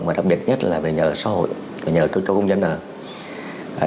và đặc biệt nhất là về nhờ xã hội nhờ cung cấp cho công dân ở